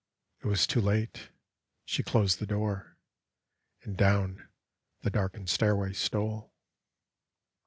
It was too late. ... She closed the door. And down the darkened stairway stole.